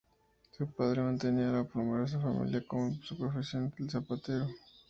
Su padre mantenía a la numerosa familia con su profesión de zapatero.